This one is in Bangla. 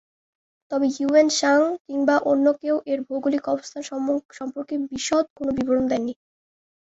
তবে হিউয়েন সাঙ কিংবা অন্য কেউ এর ভৌগোলিক অবস্থান সম্পর্কে বিশদ কোনো বিবরণ দেন নি।